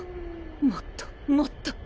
もっともっと！